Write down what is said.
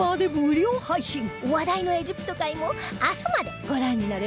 話題のエジプト回も明日までご覧になれます